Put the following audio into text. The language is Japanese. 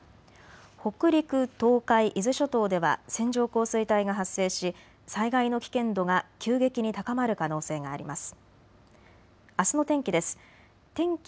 北陸、東海、伊豆諸島では線状降水帯が発生し災害の危険度が急激に高まる可能性があります。